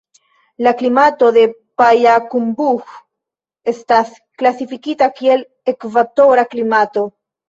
La klimato de Pajakumbuh estas klasifikita kiel ekvatora klimato.